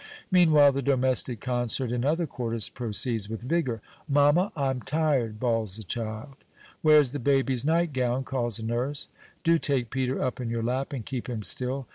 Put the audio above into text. Meanwhile, the domestic concert in other quarters proceeds with vigor. "Mamma, I'm tired!" bawls a child. "Where's the baby's night gown?" calls a nurse. "Do take Peter up in your lap, and keep him still."